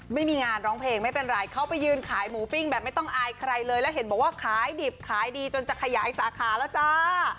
ไม่มีงานร้องเพลงไม่เป็นไรเขาไปยืนขายหมูปิ้งแบบไม่ต้องอายใครเลยแล้วเห็นบอกว่าขายดิบขายดีจนจะขยายสาขาแล้วจ้า